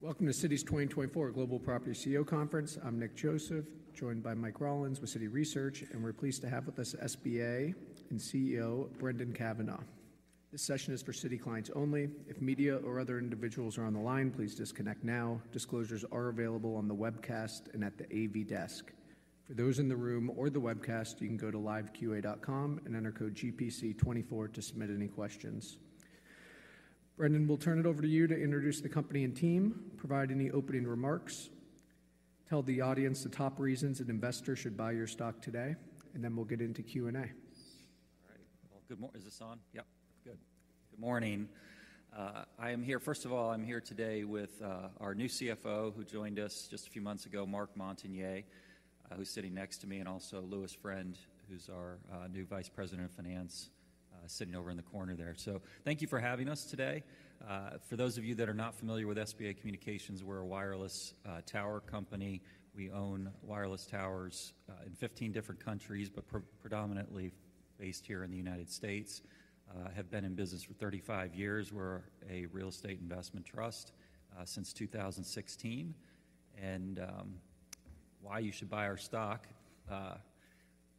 Welcome to Citi's 2024 Global Property CEO Conference. I'm Nick Joseph, joined by Mike Rollins with Citi Research, and we're pleased to have with us SBA's CEO, Brendan Cavanagh. This session is for Citi clients only. If media or other individuals are on the line, please disconnect now. Disclosures are available on the webcast and at the AV desk. For those in the room or the webcast, you can go to liveqa.com and enter code GPC 2024 to submit any questions. Brendan, we'll turn it over to you to introduce the company and team, provide any opening remarks, tell the audience the top reasons an investor should buy your stock today, and then we'll get into Q&A. All right. Well, good morning. Is this on? Yep. Good. Good morning. I am here, first of all. I'm here today with our new CFO, who joined us just a few months ago, Marc Montagner, who's sitting next to me, and also Louis Friend, who's our new vice president of finance, sitting over in the corner there. So thank you for having us today. For those of you that are not familiar with SBA Communications, we're a wireless tower company. We own wireless towers in 15 different countries, but predominantly based here in the United States. Have been in business for 35 years. We're a real estate investment trust since 2016. Why you should buy our stock?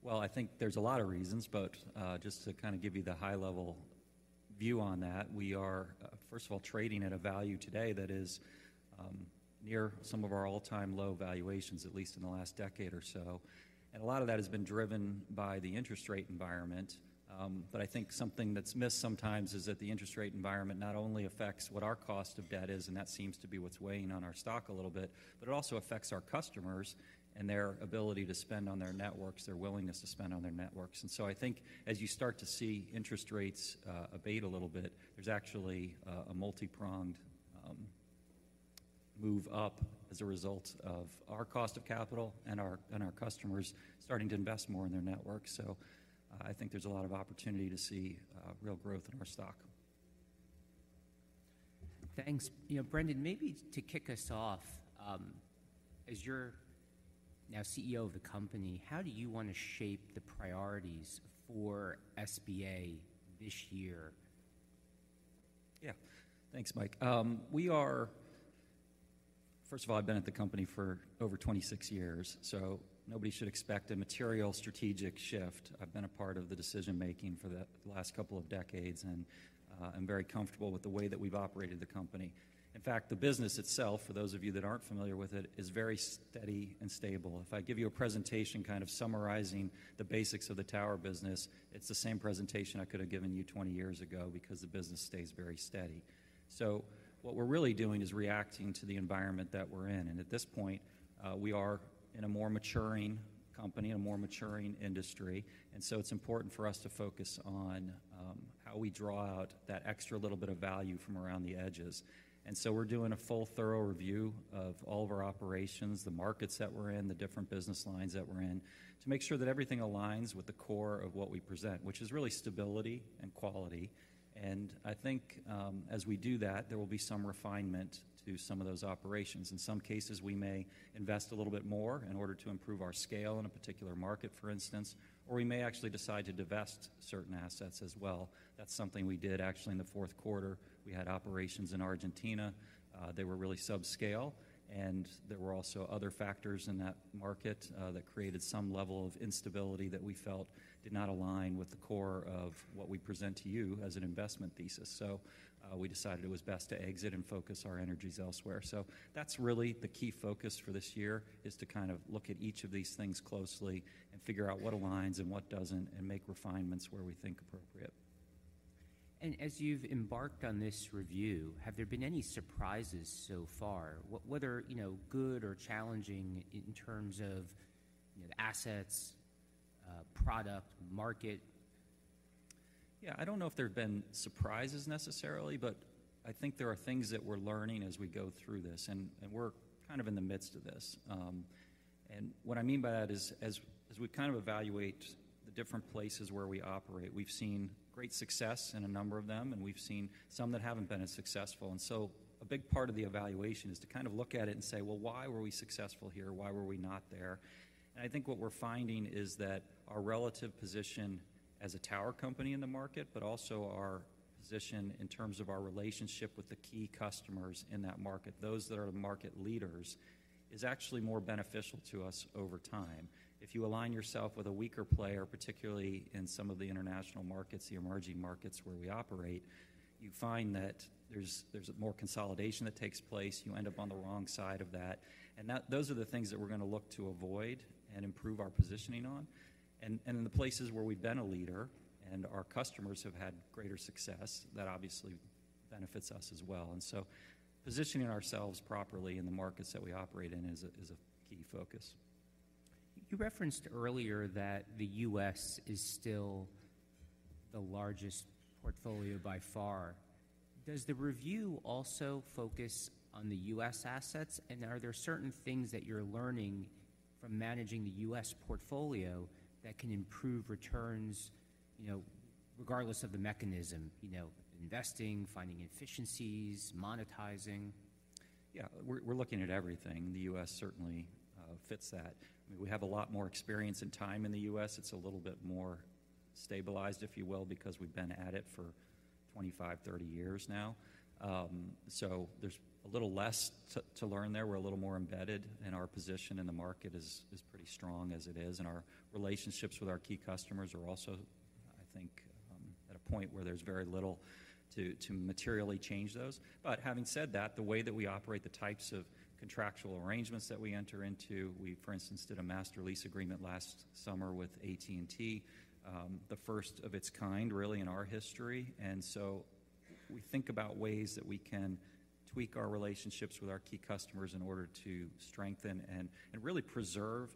Well, I think there's a lot of reasons, but just to kind of give you the high-level view on that, we are first of all trading at a value today that is near some of our all-time low valuations, at least in the last decade or so. A lot of that has been driven by the interest rate environment. But I think something that's missed sometimes is that the interest rate environment not only affects what our cost of debt is, and that seems to be what's weighing on our stock a little bit, but it also affects our customers and their ability to spend on their networks, their willingness to spend on their networks. And so I think as you start to see interest rates abate a little bit, there's actually a multipronged move up as a result of our cost of capital and our, and our customers starting to invest more in their network. So, I think there's a lot of opportunity to see real growth in our stock. Thanks. You know, Brendan, maybe to kick us off, as you're now CEO of the company, how do you want to shape the priorities for SBA this year? Yeah. Thanks, Mike. First of all, I've been at the company for over 26 years, so nobody should expect a material strategic shift. I've been a part of the decision-making for the last couple of decades, and, I'm very comfortable with the way that we've operated the company. In fact, the business itself, for those of you that aren't familiar with it, is very steady and stable. If I give you a presentation kind of summarizing the basics of the tower business, it's the same presentation I could have given you 20 years ago because the business stays very steady. So what we're really doing is reacting to the environment that we're in, and at this point, we are in a more maturing company, a more maturing industry, and so it's important for us to focus on how we draw out that extra little bit of value from around the edges. And so we're doing a full, thorough review of all of our operations, the markets that we're in, the different business lines that we're in, to make sure that everything aligns with the core of what we present, which is really stability and quality. And I think, as we do that, there will be some refinement to some of those operations. In some cases, we may invest a little bit more in order to improve our scale in a particular market, for instance, or we may actually decide to divest certain assets as well. That's something we did actually in the fourth quarter. We had operations in Argentina. They were really subscale, and there were also other factors in that market that created some level of instability that we felt did not align with the core of what we present to you as an investment thesis. So, we decided it was best to exit and focus our energies elsewhere. So that's really the key focus for this year, is to kind of look at each of these things closely and figure out what aligns and what doesn't, and make refinements where we think appropriate. As you've embarked on this review, have there been any surprises so far, whether, you know, good or challenging in terms of, you know, assets, product, market? Yeah, I don't know if there have been surprises necessarily, but I think there are things that we're learning as we go through this, and we're kind of in the midst of this. And what I mean by that is, as we kind of evaluate the different places where we operate, we've seen great success in a number of them, and we've seen some that haven't been as successful. And so a big part of the evaluation is to kind of look at it and say, "Well, why were we successful here? Why were we not there?" And I think what we're finding is that our relative position as a tower company in the market, but also our position in terms of our relationship with the key customers in that market, those that are the market leaders, is actually more beneficial to us over time. If you align yourself with a weaker player, particularly in some of the international markets, the emerging markets where we operate, you find that there's more consolidation that takes place. You end up on the wrong side of that, and that, those are the things that we're gonna look to avoid and improve our positioning on. And in the places where we've been a leader and our customers have had greater success, that obviously benefits us as well. And so positioning ourselves properly in the markets that we operate in is a key focus. You referenced earlier that the U.S. is still the largest portfolio by far. Does the review also focus on the U.S. assets? And are there certain things that you're learning from managing the U.S. portfolio that can improve returns, you know, regardless of the mechanism, you know, investing, finding efficiencies, monetizing? Yeah, we're, we're looking at everything. The US certainly fits that. We have a lot more experience and time in the US. It's a little bit more stabilized, if you will, because we've been at it for 25, 30 years now. So there's a little less to, to learn there. We're a little more embedded, and our position in the market is, is pretty strong as it is, and our relationships with our key customers are also, I think, at a point where there's very little to, to materially change those. But having said that, the way that we operate, the types of contractual arrangements that we enter into, we, for instance, did a master lease agreement last summer with AT&T, the first of its kind, really, in our history. And so we think about ways that we can tweak our relationships with our key customers in order to strengthen and, and really preserve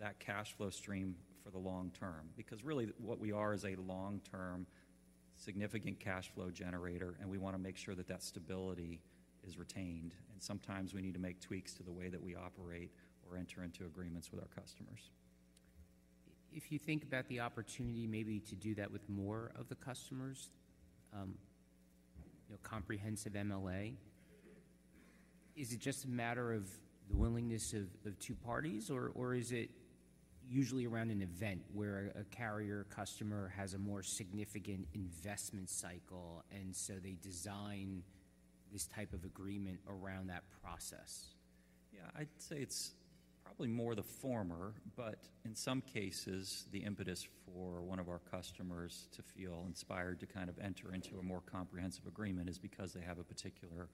that cash flow stream for the long term, because really what we are is a long-term, significant cash flow generator, and we want to make sure that that stability is retained. Sometimes we need to make tweaks to the way that we operate or enter into agreements with our customers. If you think about the opportunity maybe to do that with more of the customers, you know, comprehensive MLA, is it just a matter of the willingness of two parties, or is it usually around an event where a carrier customer has a more significant investment cycle, and so they design this type of agreement around that process? Yeah, I'd say it's probably more the former, but in some cases, the impetus for one of our customers to feel inspired to kind of enter into a more comprehensive agreement is because they have a particular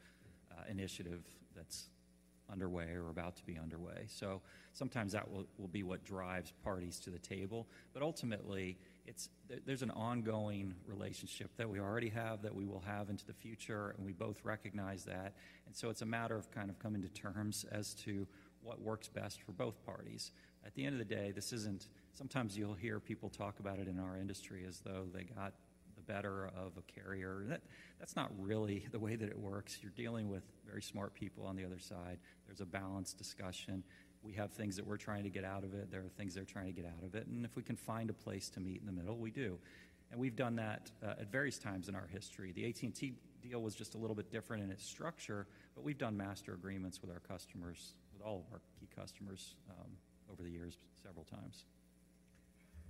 initiative that's underway or about to be underway. So sometimes that will be what drives parties to the table, but ultimately, it's. There's an ongoing relationship that we already have, that we will have into the future, and we both recognize that. And so it's a matter of kind of coming to terms as to what works best for both parties. At the end of the day, this isn't. Sometimes you'll hear people talk about it in our industry as though they got the better of a carrier, and that's not really the way that it works. You're dealing with very smart people on the other side. There's a balanced discussion. We have things that we're trying to get out of it. There are things they're trying to get out of it, and if we can find a place to meet in the middle, we do. And we've done that at various times in our history. The AT&T deal was just a little bit different in its structure, but we've done master agreements with our customers, with all of our key customers over the years, several times.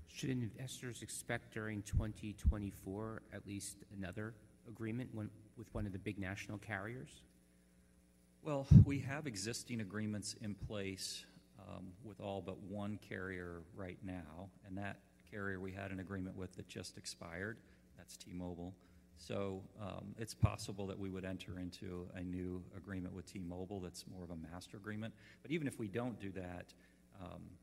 Should investors expect during 2024, at least another agreement with one of the big national carriers? Well, we have existing agreements in place, with all but one carrier right now, and that carrier we had an agreement with that just expired. That's T-Mobile. So, it's possible that we would enter into a new agreement with T-Mobile that's more of a master agreement. But even if we don't do that,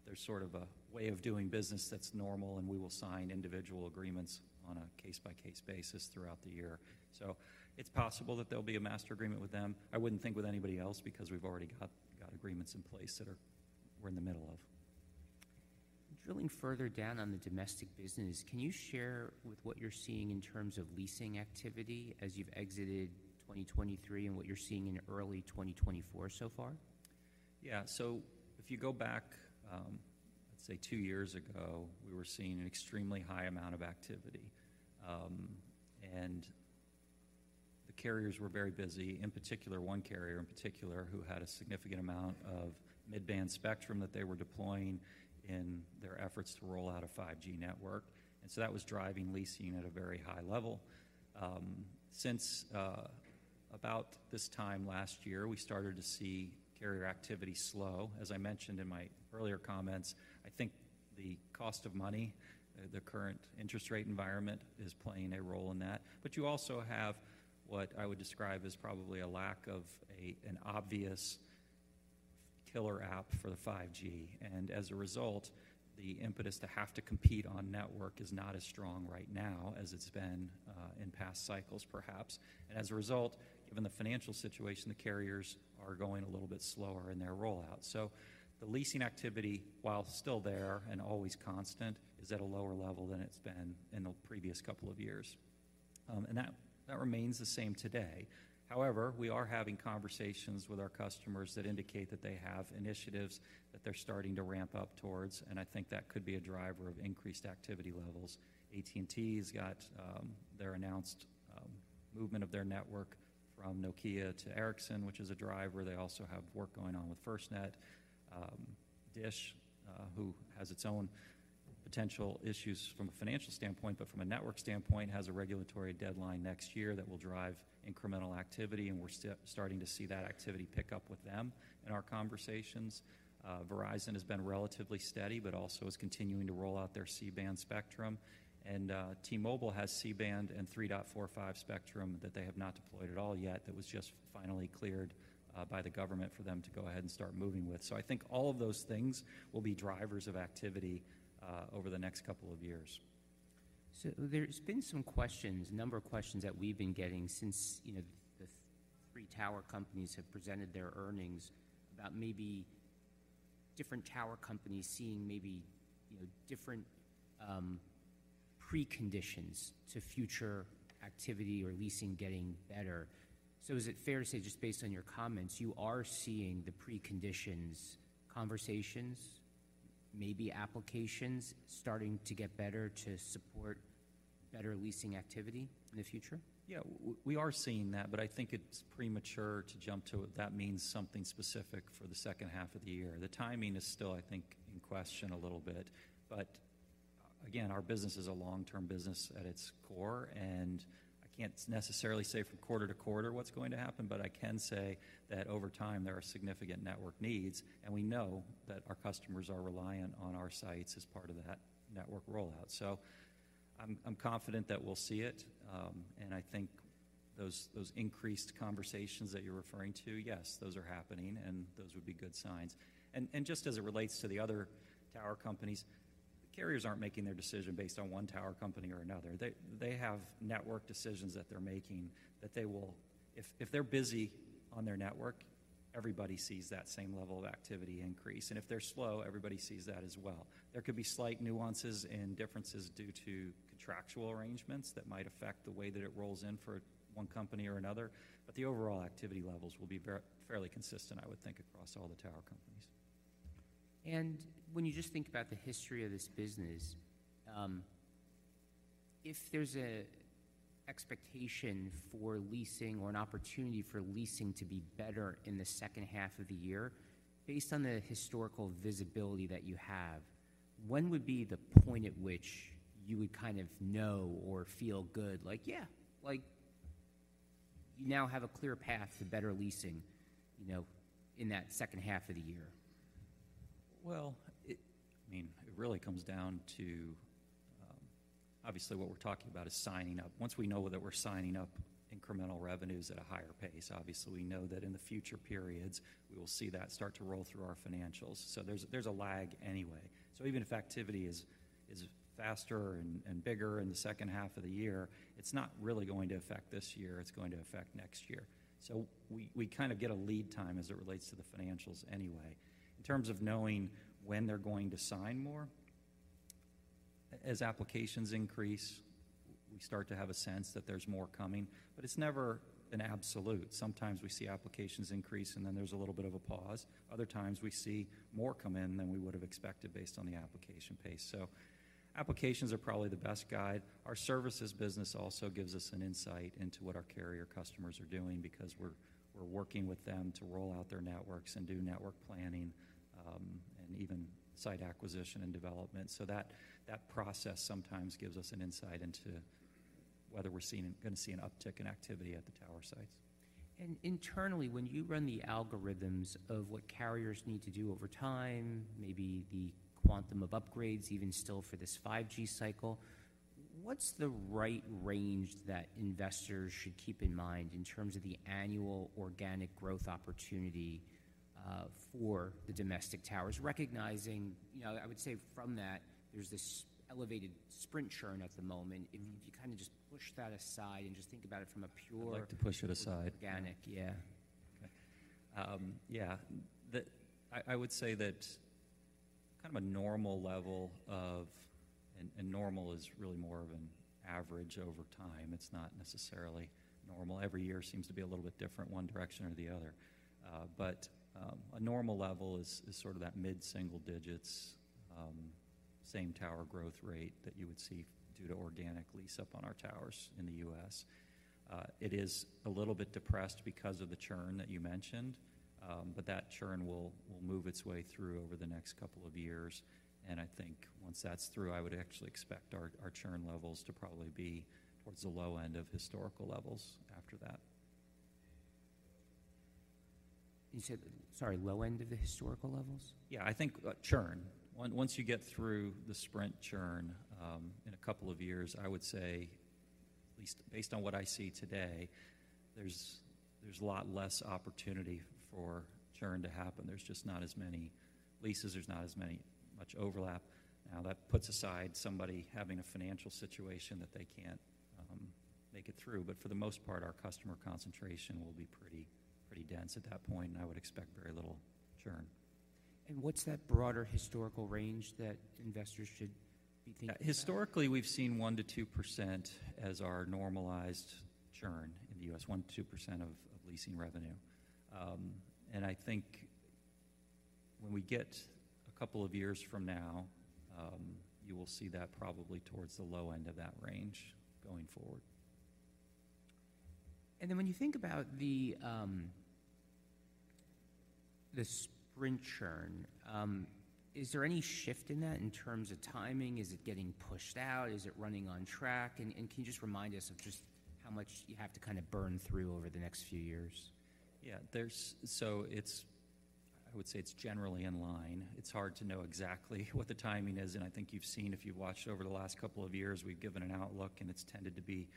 there's sort of a way of doing business that's normal, and we will sign individual agreements on a case-by-case basis throughout the year. So it's possible that there'll be a master agreement with them. I wouldn't think with anybody else, because we've already got agreements in place that are-- we're in the middle of. Drilling further down on the domestic business, can you share with what you're seeing in terms of leasing activity as you've exited 2023 and what you're seeing in early 2024 so far? Yeah. So if you go back, let's say two years ago, we were seeing an extremely high amount of activity. The carriers were very busy, in particular, one carrier in particular, who had a significant amount of mid-band spectrum that they were deploying in their efforts to roll out a 5G network. So that was driving leasing at a very high level. Since about this time last year, we started to see carrier activity slow. As I mentioned in my earlier comments, I think the cost of money, the current interest rate environment, is playing a role in that. But you also have what I would describe as probably a lack of an obvious killer app for the 5G, and as a result, the impetus to have to compete on network is not as strong right now as it's been in past cycles, perhaps. And as a result, given the financial situation, the carriers are going a little bit slower in their rollout. So the leasing activity, while still there and always constant, is at a lower level than it's been in the previous couple of years. And that remains the same today. However, we are having conversations with our customers that indicate that they have initiatives that they're starting to ramp up towards, and I think that could be a driver of increased activity levels. AT&T's got their announced movement of their network from Nokia to Ericsson, which is a driver. They also have work going on with FirstNet. DISH, who has its own potential issues from a financial standpoint, but from a network standpoint, has a regulatory deadline next year that will drive incremental activity, and we're starting to see that activity pick up with them in our conversations. Verizon has been relatively steady, but also is continuing to roll out their C-band spectrum, and T-Mobile has C-band and 3.45 spectrum that they have not deployed at all yet. That was just finally cleared by the government for them to go ahead and start moving with. So I think all of those things will be drivers of activity over the next couple of years. So there's been some questions, a number of questions that we've been getting since, you know, the three tower companies have presented their earnings about maybe different tower companies seeing maybe, you know, different preconditions to future activity or leasing getting better. So is it fair to say, just based on your comments, you are seeing the preconditions conversations? Maybe applications starting to get better to support better leasing activity in the future? Yeah, we are seeing that, but I think it's premature to jump to what that means something specific for the second half of the year. The timing is still, I think, in question a little bit, but again, our business is a long-term business at its core, and I can't necessarily say from quarter to quarter what's going to happen, but I can say that over time, there are significant network needs, and we know that our customers are reliant on our sites as part of that network rollout. So I'm confident that we'll see it, and I think those increased conversations that you're referring to, yes, those are happening, and those would be good signs. And just as it relates to the other tower companies, carriers aren't making their decision based on one tower company or another. They have network decisions that they're making that they will... If they're busy on their network, everybody sees that same level of activity increase, and if they're slow, everybody sees that as well. There could be slight nuances and differences due to contractual arrangements that might affect the way that it rolls in for one company or another, but the overall activity levels will be fairly consistent, I would think, across all the tower companies. When you just think about the history of this business, if there's an expectation for leasing or an opportunity for leasing to be better in the second half of the year, based on the historical visibility that you have, when would be the point at which you would kind of know or feel good, like, yeah, like you now have a clear path to better leasing, you know, in that second half of the year? Well, I mean, it really comes down to, obviously, what we're talking about is signing up. Once we know that we're signing up incremental revenues at a higher pace, obviously, we know that in the future periods, we will see that start to roll through our financials. So there's, there's a lag anyway. So even if activity is, is faster and, and bigger in the second half of the year, it's not really going to affect this year, it's going to affect next year. So we, we kind of get a lead time as it relates to the financials anyway. In terms of knowing when they're going to sign more, as applications increase, we start to have a sense that there's more coming, but it's never an absolute. Sometimes we see applications increase, and then there's a little bit of a pause. Other times, we see more come in than we would have expected based on the application pace. So applications are probably the best guide. Our services business also gives us an insight into what our carrier customers are doing because we're working with them to roll out their networks and do network planning, and even site acquisition and development. So that process sometimes gives us an insight into whether we're gonna see an uptick in activity at the tower sites. Internally, when you run the algorithms of what carriers need to do over time, maybe the quantum of upgrades even still for this 5G cycle, what's the right range that investors should keep in mind in terms of the annual organic growth opportunity, for the domestic towers? Recognizing, you know, I would say from that, there's this elevated Sprint churn at the moment. Mm-hmm. If you kind of just push that aside and just think about it from a pure- I'd like to push it aside. -organic, yeah. Yeah. I would say that kind of a normal level of... And normal is really more of an average over time, it's not necessarily normal. Every year seems to be a little bit different, one direction or the other. But a normal level is sort of that mid-single digits same-tower growth rate that you would see due to organic lease-up on our towers in the U.S. It is a little bit depressed because of the churn that you mentioned, but that churn will move its way through over the next couple of years, and I think once that's through, I would actually expect our churn levels to probably be towards the low end of historical levels after that. You said, sorry, low end of the historical levels? Yeah, I think churn. Once you get through the Sprint churn, in a couple of years, I would say, at least based on what I see today, there's, there's a lot less opportunity for churn to happen. There's just not as many leases. There's not as many, much overlap. Now, that puts aside somebody having a financial situation that they can't make it through, but for the most part, our customer concentration will be pretty, pretty dense at that point, and I would expect very little churn. What's that broader historical range that investors should be thinking about? Historically, we've seen 1%-2% as our normalized churn in the US, 1%-2% of leasing revenue. And I think when we get a couple of years from now, you will see that probably towards the low end of that range going forward. And then, when you think about the, the Sprint churn, is there any shift in that in terms of timing? Is it getting pushed out? Is it running on track? And, and can you just remind us of just how much you have to kind of burn through over the next few years? Yeah. So it's, I would say it's generally in line. It's hard to know exactly what the timing is, and I think you've seen, if you've watched over the last couple of years, we've given an outlook, and it's tended to be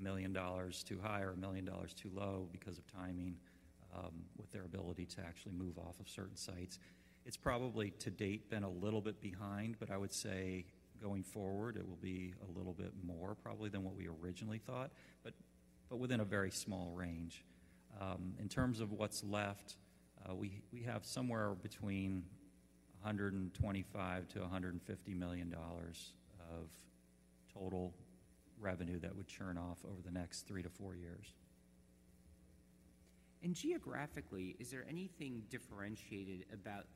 $1 million too high or $1 million too low because of timing with their ability to actually move off of certain sites. It's probably, to date, been a little bit behind, but I would say going forward, it will be a little bit more probably than what we originally thought, but within a very small range. In terms of what's left, we have somewhere between $125 million-$150 million of total revenue that would churn off over the next 3 to 4 years. ... Geographically, is there anything differentiated about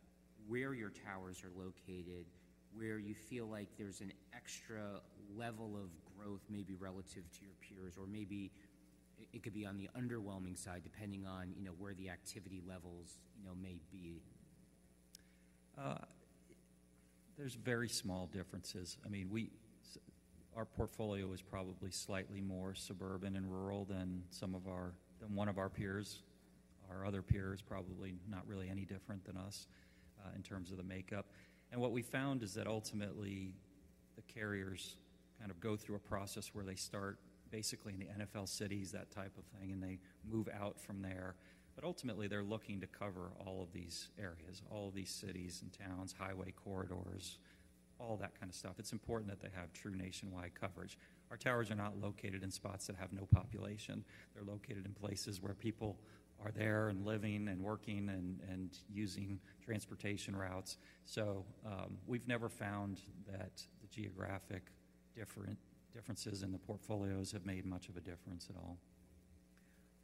where your towers are located, where you feel like there's an extra level of growth, maybe relative to your peers? Or maybe it could be on the underwhelming side, depending on, you know, where the activity levels, you know, may be? There's very small differences. I mean, our portfolio is probably slightly more suburban and rural than some of our... than one of our peers. Our other peer is probably not really any different than us in terms of the makeup. And what we found is that ultimately, the carriers kind of go through a process where they start basically in the NFL cities, that type of thing, and they move out from there. But ultimately, they're looking to cover all of these areas, all of these cities and towns, highway corridors, all that kind of stuff. It's important that they have true nationwide coverage. Our towers are not located in spots that have no population. They're located in places where people are there and living and working and using transportation routes. We've never found that the geographic differences in the portfolios have made much of a difference at all.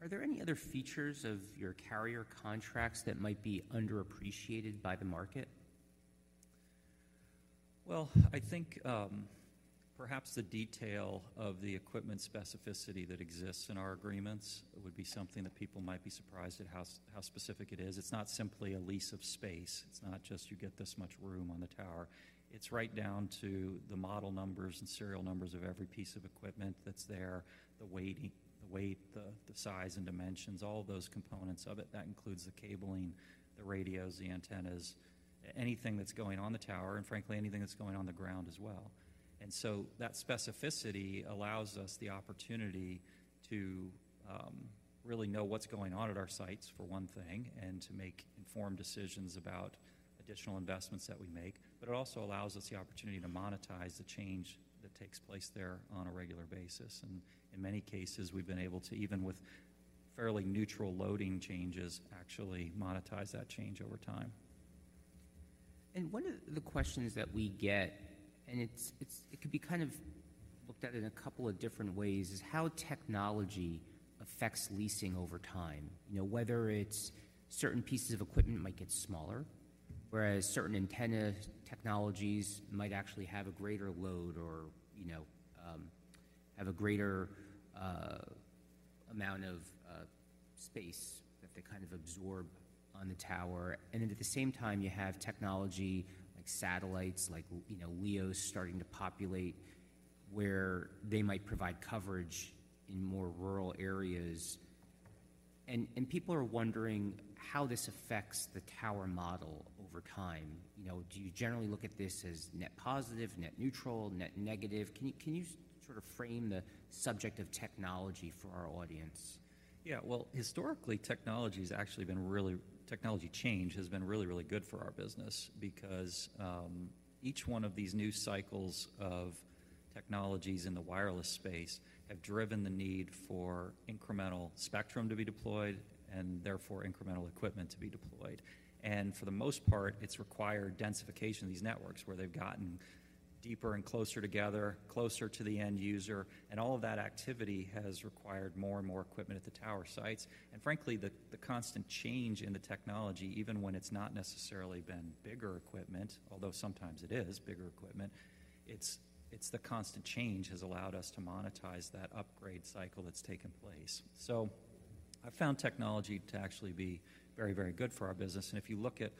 Are there any other features of your carrier contracts that might be underappreciated by the market? Well, I think, perhaps the detail of the equipment specificity that exists in our agreements would be something that people might be surprised at how specific it is. It's not simply a lease of space. It's not just you get this much room on the tower. It's right down to the model numbers and serial numbers of every piece of equipment that's there, the weighting, the weight, the size and dimensions, all of those components of it. That includes the cabling, the radios, the antennas, anything that's going on the tower, and frankly, anything that's going on the ground as well. And so that specificity allows us the opportunity to really know what's going on at our sites, for one thing, and to make informed decisions about additional investments that we make. It also allows us the opportunity to monetize the change that takes place there on a regular basis. In many cases, we've been able to, even with fairly neutral loading changes, actually monetize that change over time. And one of the questions that we get, and it's it could be kind of looked at in a couple of different ways, is how technology affects leasing over time. You know, whether it's certain pieces of equipment might get smaller, whereas certain antenna technologies might actually have a greater load or, you know, have a greater amount of space that they kind of absorb on the tower. And then at the same time, you have technology like satellites, like, you know, LEOs starting to populate, where they might provide coverage in more rural areas. And people are wondering how this affects the tower model over time. You know, do you generally look at this as net positive, net neutral, net negative? Can you sort of frame the subject of technology for our audience? Yeah, well, historically, technology change has been really, really good for our business because each one of these new cycles of technologies in the wireless space have driven the need for incremental spectrum to be deployed, and therefore, incremental equipment to be deployed. And for the most part, it's required densification of these networks, where they've gotten deeper and closer together, closer to the end user, and all of that activity has required more and more equipment at the tower sites. And frankly, the constant change in the technology, even when it's not necessarily been bigger equipment, although sometimes it is bigger equipment, it's the constant change has allowed us to monetize that upgrade cycle that's taken place. So I've found technology to actually be very, very good for our business, and if you look at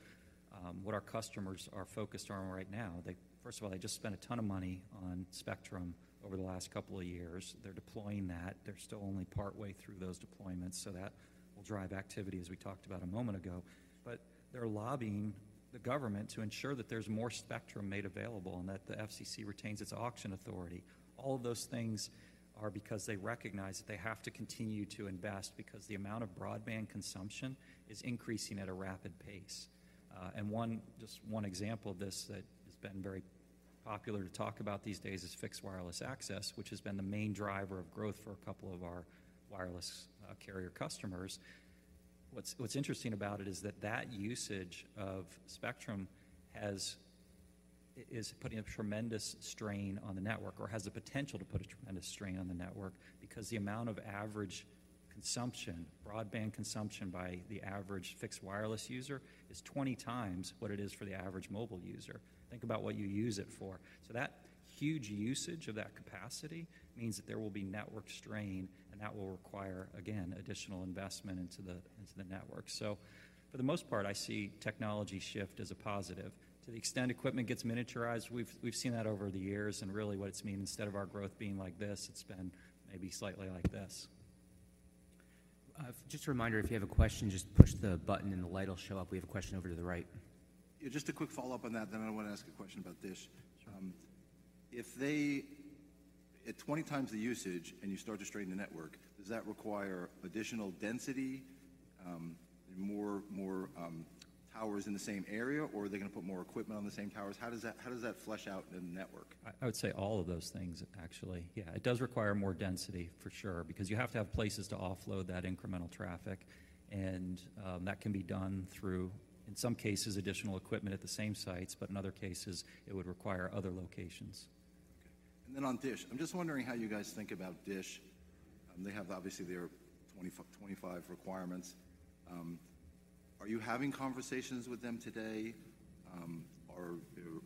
what our customers are focused on right now, they first of all just spent a ton of money on spectrum over the last couple of years. They're deploying that. They're still only partway through those deployments, so that will drive activity, as we talked about a moment ago. But they're lobbying the government to ensure that there's more spectrum made available and that the FCC retains its auction authority. All of those things are because they recognize that they have to continue to invest, because the amount of broadband consumption is increasing at a rapid pace. And one, just one example of this that has been very popular to talk about these days is fixed wireless access, which has been the main driver of growth for a couple of our wireless carrier customers. What's interesting about it is that that usage of spectrum is putting a tremendous strain on the network or has the potential to put a tremendous strain on the network, because the amount of average consumption, broadband consumption by the average fixed wireless user, is 20 times what it is for the average mobile user. Think about what you use it for. So that huge usage of that capacity means that there will be network strain, and that will require, again, additional investment into the network. So for the most part, I see technology shift as a positive. To the extent equipment gets miniaturized, we've seen that over the years, and really what it's meant, instead of our growth being like this, it's been maybe slightly like this. Just a reminder, if you have a question, just push the button, and the light will show up. We have a question over to the right. Yeah, just a quick follow-up on that, then I want to ask a question about DISH. Sure. At 20 times the usage and you start to strain the network, does that require additional density, more towers in the same area, or are they gonna put more equipment on the same towers? How does that flush out in the network? I would say all of those things, actually. Yeah, it does require more density, for sure, because you have to have places to offload that incremental traffic, and that can be done through, in some cases, additional equipment at the same sites, but in other cases, it would require other locations. ...And then on DISH, I'm just wondering how you guys think about DISH. They have obviously their 25 requirements. Are you having conversations with them today,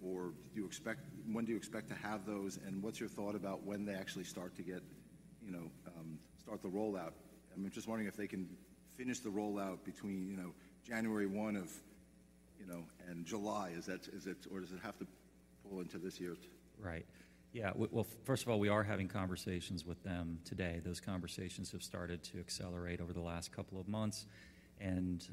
or do you expect, when do you expect to have those, and what's your thought about when they actually start to get, you know, start the rollout? I'm just wondering if they can finish the rollout between, you know, January 1 of, you know, and July. Is that, is it, or does it have to pull into this year? Right. Yeah, well, first of all, we are having conversations with them today. Those conversations have started to accelerate over the last couple of months, and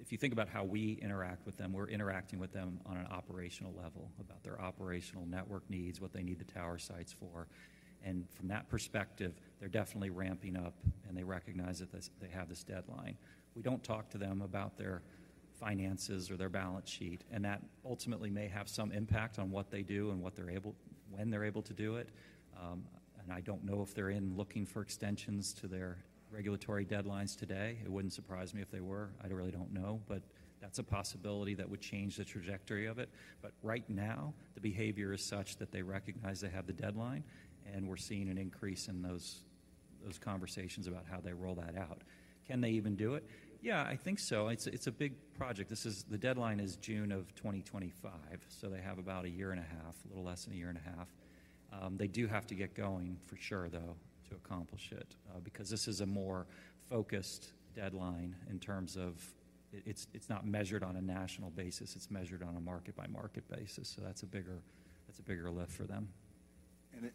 if you think about how we interact with them, we're interacting with them on an operational level, about their operational network needs, what they need the tower sites for. And from that perspective, they're definitely ramping up, and they recognize that they have this deadline. We don't talk to them about their finances or their balance sheet, and that ultimately may have some impact on what they do and what they're able to do it. And I don't know if they're looking for extensions to their regulatory deadlines today. It wouldn't surprise me if they were. I really don't know, but that's a possibility that would change the trajectory of it. But right now, the behavior is such that they recognize they have the deadline, and we're seeing an increase in those conversations about how they roll that out. Can they even do it? Yeah, I think so. It's a big project. The deadline is June of 2025, so they have about a year and a half, a little less than a year and a half. They do have to get going, for sure, though, to accomplish it, because this is a more focused deadline in terms of it's not measured on a national basis. It's measured on a market-by-market basis, so that's a bigger lift for them.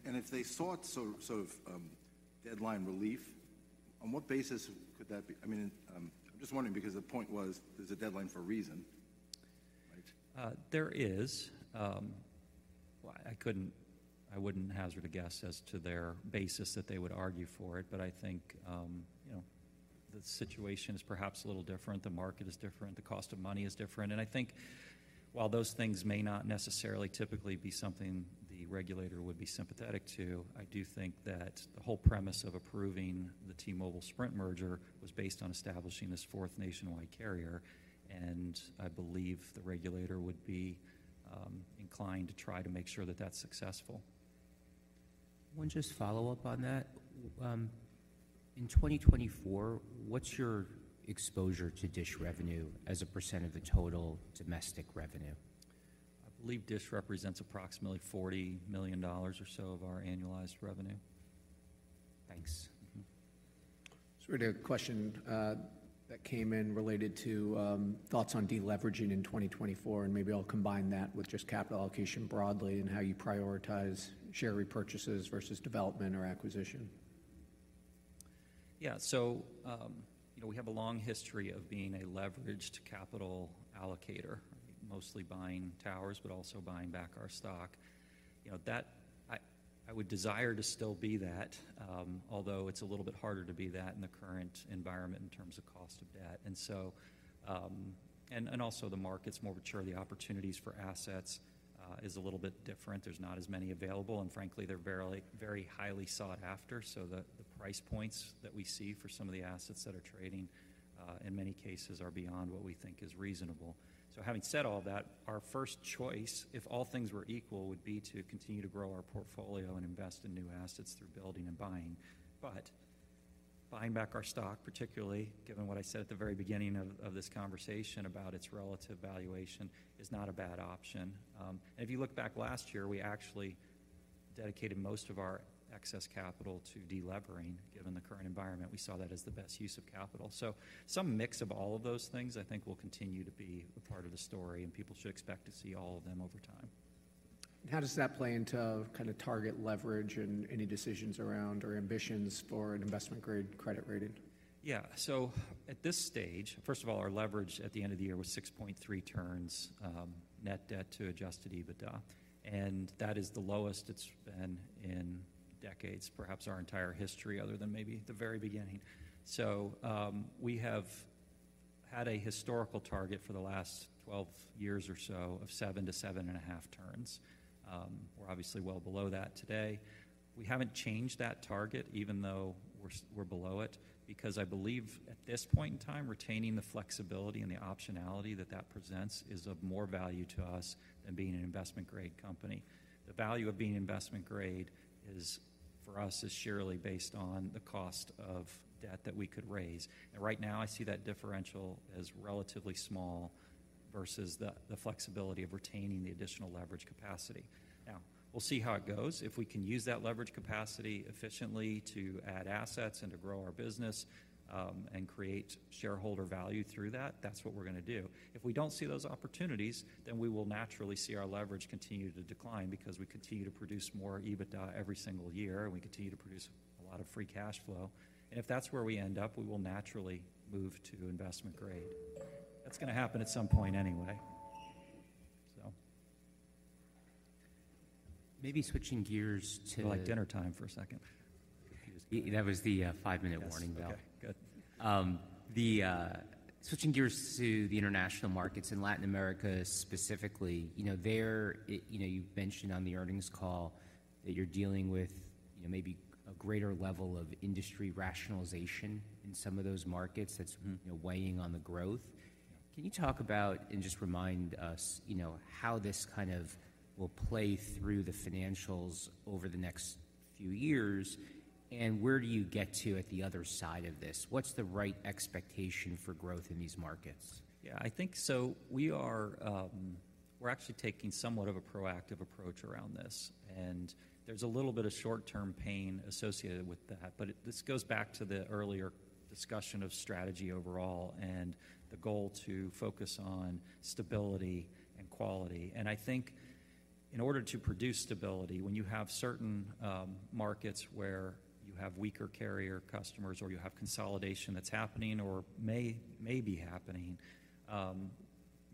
And if they sought sort of deadline relief, on what basis could that be? I mean, I'm just wondering, because the point was, there's a deadline for a reason, right? There is. Well, I couldn't—I wouldn't hazard a guess as to their basis that they would argue for it, but I think, you know, the situation is perhaps a little different. The market is different, the cost of money is different, and I think while those things may not necessarily typically be something the regulator would be sympathetic to, I do think that the whole premise of approving the T-Mobile-Sprint merger was based on establishing this fourth nationwide carrier, and I believe the regulator would be inclined to try to make sure that that's successful. One just follow-up on that. In 2024, what's your exposure to DISH revenue as a percent of the total domestic revenue? I believe DISH represents approximately $40 million or so of our annualized revenue. Thanks. Mm-hmm. Just read a question that came in related to thoughts on deleveraging in 2024, and maybe I'll combine that with just capital allocation broadly and how you prioritize share repurchases versus development or acquisition. Yeah. So, you know, we have a long history of being a leveraged capital allocator, mostly buying towers, but also buying back our stock. You know, that I would desire to still be that, although it's a little bit harder to be that in the current environment in terms of cost of debt. And so, and also the market's more mature. The opportunities for assets is a little bit different. There's not as many available, and frankly, they're very, very highly sought after, so the price points that we see for some of the assets that are trading in many cases are beyond what we think is reasonable. So having said all that, our first choice, if all things were equal, would be to continue to grow our portfolio and invest in new assets through building and buying. But buying back our stock, particularly given what I said at the very beginning of this conversation about its relative valuation, is not a bad option. And if you look back last year, we actually dedicated most of our excess capital to delevering. Given the current environment, we saw that as the best use of capital. So some mix of all of those things I think will continue to be a part of the story, and people should expect to see all of them over time. How does that play into kind of target leverage and any decisions around or ambitions for an investment-grade credit rating? Yeah. So at this stage, first of all, our leverage at the end of the year was 6.3 turns, Net Debt to Adjusted EBITDA, and that is the lowest it's been in decades, perhaps our entire history, other than maybe the very beginning. So, we have had a historical target for the last 12 years or so of 7-7.5 turns. We're obviously well below that today. We haven't changed that target, even though we're below it, because I believe at this point in time, retaining the flexibility and the optionality that that presents is of more value to us than being an investment-grade company. The value of being investment-grade is, for us, sheerly based on the cost of debt that we could raise, and right now, I see that differential as relatively small versus the flexibility of retaining the additional leverage capacity. Now, we'll see how it goes. If we can use that leverage capacity efficiently to add assets and to grow our business, and create shareholder value through that, that's what we're gonna do. If we don't see those opportunities, then we will naturally see our leverage continue to decline, because we continue to produce more EBITDA every single year, and we continue to produce a lot of free cash flow. And if that's where we end up, we will naturally move to investment grade. That's gonna happen at some point anyway, so... Maybe switching gears to- It's like dinner time for a second. That was the five-minute warning, though. Yes. Okay, good. Switching gears to the international markets in Latin America specifically, you know, you've mentioned on the earnings call that you're dealing with, you know, maybe a greater level of industry rationalization in some of those markets that's, you know, weighing on the growth. Can you talk about, and just remind us, you know, how this kind of will play through the financials over the next few years, and where do you get to at the other side of this? What's the right expectation for growth in these markets? Yeah, I think so. We are, we're actually taking somewhat of a proactive approach around this, and there's a little bit of short-term pain associated with that. But it-- this goes back to the earlier discussion of strategy overall and the goal to focus on stability and quality. And I think in order to produce stability, when you have certain markets where you have weaker carrier customers or you have consolidation that's happening or may be happening,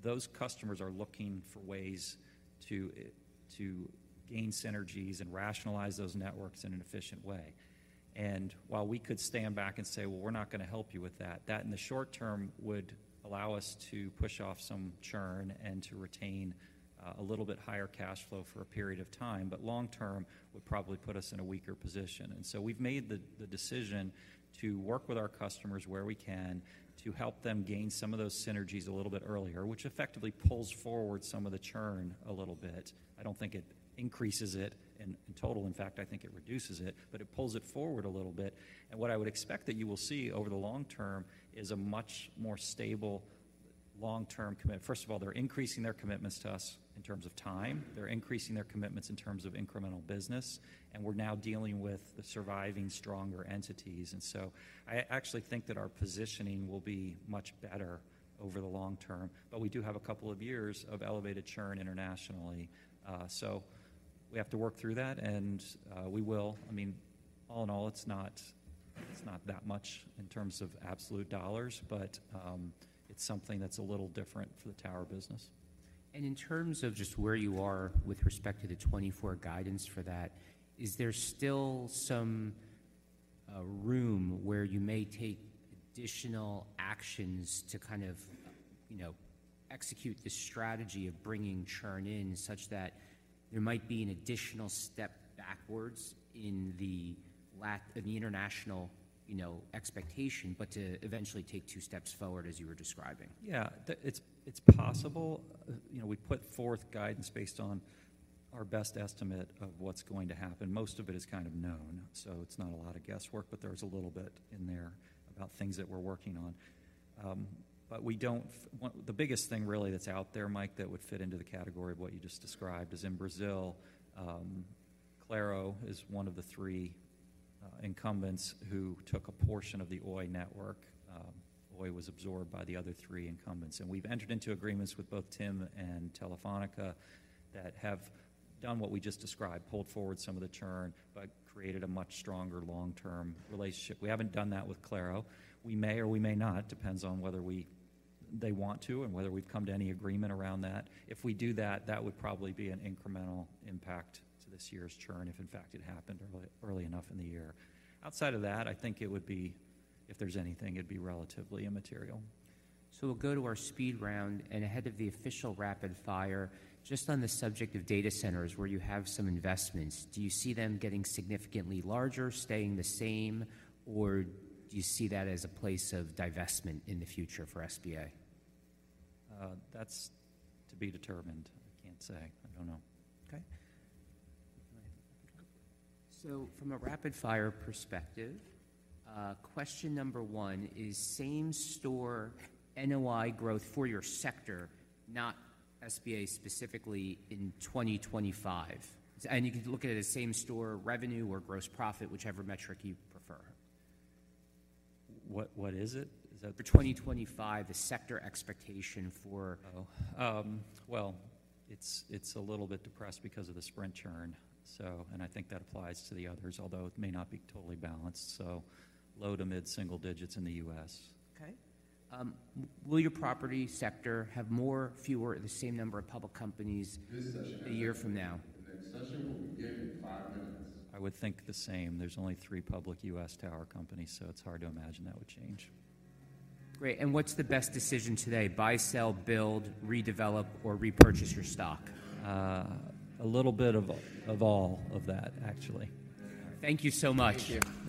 those customers are looking for ways to gain synergies and rationalize those networks in an efficient way. And while we could stand back and say, "Well, we're not gonna help you with that," that in the short term, would allow us to push off some churn and to retain a little bit higher cash flow for a period of time, but long term, would probably put us in a weaker position. And so we've made the decision to work with our customers where we can, to help them gain some of those synergies a little bit earlier, which effectively pulls forward some of the churn a little bit. I don't think it increases it in total. In fact, I think it reduces it, but it pulls it forward a little bit, and what I would expect that you will see over the long term is a much more stable long-term commit... First of all, they're increasing their commitments to us in terms of time. They're increasing their commitments in terms of incremental business, and we're now dealing with the surviving stronger entities. And so I actually think that our positioning will be much better over the long term. But we do have a couple of years of elevated churn internationally. So we have to work through that, and we will. I mean, all in all, it's not, it's not that much in terms of absolute dollars, but it's something that's a little different for the tower business. In terms of just where you are with respect to the 2024 guidance for that, is there still some room where you may take additional actions to kind of, you know, execute this strategy of bringing churn in, such that there might be an additional step backwards in the international, you know, expectation, but to eventually take two steps forward, as you were describing? Yeah. It's possible. You know, we put forth guidance based on our best estimate of what's going to happen. Most of it is kind of known, so it's not a lot of guesswork, but there's a little bit in there about things that we're working on. But we don't. Well, the biggest thing really that's out there, Mike, that would fit into the category of what you just described, is in Brazil. Claro is one of the three incumbents who took a portion of the Oi network. Oi was absorbed by the other three incumbents, and we've entered into agreements with both TIM and Telefónica that have done what we just described, pulled forward some of the churn, but created a much stronger long-term relationship. We haven't done that with Claro. We may or we may not, depends on whether we, they want to, and whether we've come to any agreement around that. If we do that, that would probably be an incremental impact to this year's churn, if in fact, it happened early, early enough in the year. Outside of that, I think it would be, if there's anything, it'd be relatively immaterial. We'll go to our speed round, and ahead of the official rapid fire, just on the subject of data centers, where you have some investments, do you see them getting significantly larger, staying the same, or do you see that as a place of divestment in the future for SBA? That's to be determined. I can't say. I don't know. Okay. So from a rapid-fire perspective, question number one: is same-store NOI growth for your sector, not SBA specifically, in 2025? You can look at it as same-store revenue or gross profit, whichever metric you prefer. What, what is it? Is that- For 2025, the sector expectation for- Oh, well, it's a little bit depressed because of the Sprint churn, so, and I think that applies to the others, although it may not be totally balanced, so low to mid-single digits in the U.S. Okay. Will your property sector have more, fewer, or the same number of public companies a year from now? This session will give you five minutes. I would think the same. There's only three public U.S. tower companies, so it's hard to imagine that would change. Great. And what's the best decision today? Buy, sell, build, redevelop, or repurchase your stock? A little bit of, of all of that, actually. Thank you so much. Thank you.